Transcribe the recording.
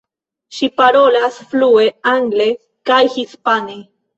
Ŝi parolas flue angle kaj hispane.